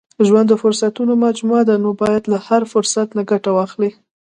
• ژوند د فرصتونو مجموعه ده، نو باید له هر فرصت نه ګټه واخلې.